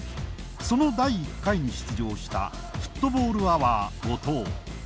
その第１回に出場したフットボールアワー後藤。